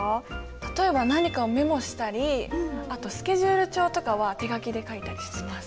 例えば何かをメモしたりあとスケジュール帳とかは手書きで書いたりしてます。